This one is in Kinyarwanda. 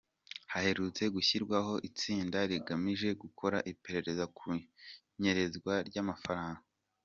Haherutse gushyirwaho itsinda rigamije gukora iperereza ku inyerezwa ry’amafaranga.